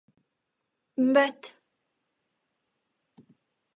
Bet...